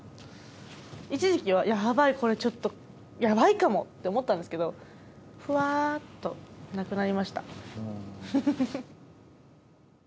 一時期はヤバいこれちょっとヤバいかもって思ったんですけどふわっとなくなりました